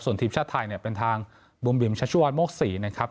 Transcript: ส่วนทีมชาติไทยเนี่ยเป็นทางบุ๋มบิมชัชวัฒนโมกศรีนะครับ